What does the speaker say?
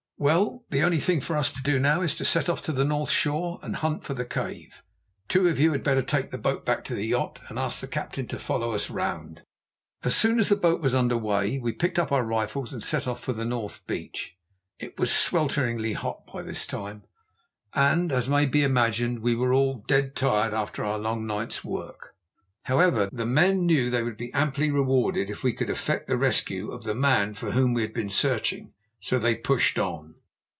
"Well, the only thing for us to do now is to set off to the north shore and hunt for the cave. Two of you had better take the boat back to the yacht and ask the captain to follow us round." As soon as the boat was under weigh we picked up our rifles and set off for the north beach. It was swelteringly hot by this time, and, as may be imagined, we were all dead tired after our long night's work. However, the men knew they would be amply rewarded if we could effect the rescue of the man for whom we had been searching, so they pushed on.